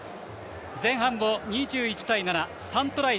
前半を２１対７３トライ